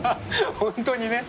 本当にね。